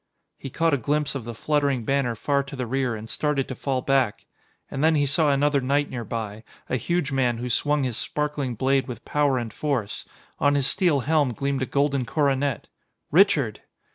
He caught a glimpse of the fluttering banner far to the rear and started to fall back. And then he saw another knight nearby, a huge man who swung his sparkling blade with power and force. On his steel helm gleamed a golden coronet! Richard!